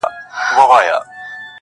چاته وايی چي آواز دي اسماني دی،